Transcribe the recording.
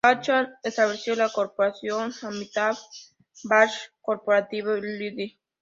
Bachchan estableció la corporación Amitabh Bachchan Corporation, Ltd.